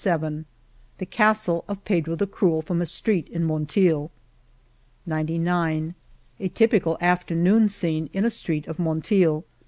p6 The Castle of Pedro the Cruel^ from a street in Mon leil, 97 A typical afternoon scene in a street of Monteil.